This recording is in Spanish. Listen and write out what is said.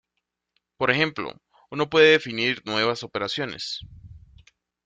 Por ejemplo: Uno puede definir nuevas operaciones.